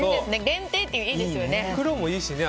限定っていいですよね。